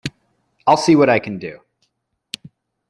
I'll see what I can do.